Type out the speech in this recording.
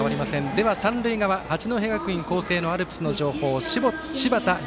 では、三塁側八戸学院光星のアルプスの情報柴田拡